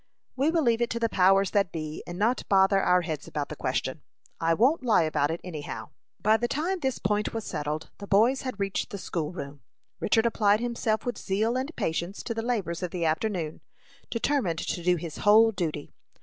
"We will leave it to the powers that be, and not bother our heads about the question. I won't lie about it, any how." By the time this point was settled the boys had reached the school room. Richard applied himself with zeal and patience to the labors of the afternoon, determined to do his whole duty.